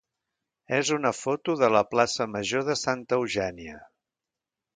és una foto de la plaça major de Santa Eugènia.